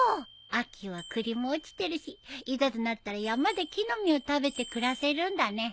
秋はクリも落ちてるしいざとなったら山で木の実を食べて暮らせるんだね。